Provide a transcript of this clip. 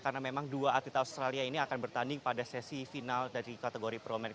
karena memang dua atlet australia ini akan bertanding pada sesi final dari kategori pro men